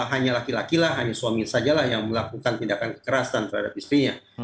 hanya laki laki lah hanya suami sajalah yang melakukan tindakan kekerasan terhadap istrinya